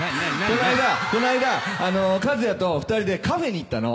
この間この間カズヤと２人でカフェに行ったの。